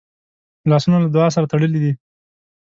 لاسونه له دعا سره تړلي دي